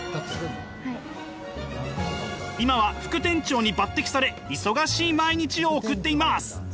今は副店長に抜てきされ忙しい毎日を送っています。